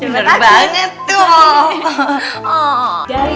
bener banget tuh